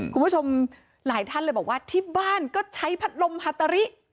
คุณผู้ชมหลายท่านเลยบอกว่าที่บ้านก็ใช้พัดลมฮาตาริ